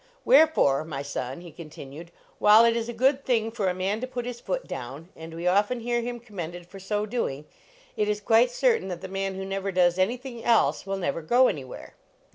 " Wherefore, my son," he continued, "while it is a good thing for a man to put his foot down, and we often hear him com mended for so doing, it is quite certain that the man who never does any thing else will never go anywhere.